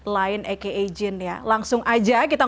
film korin ini mengisahkan